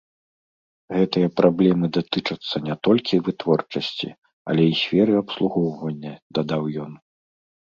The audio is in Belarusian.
Гэтыя праблемы датычацца не толькі вытворчасці, але і сферы абслугоўвання, дадаў ён.